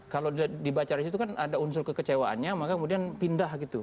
kalau dibaca dari situ kan ada unsur kekecewaannya maka kemudian pindah gitu